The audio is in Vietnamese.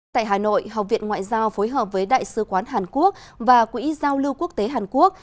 tại hà nội học viện ngoại giao phối hợp với đại sứ quán hàn quốc và quỹ giao lưu quốc tế hàn quốc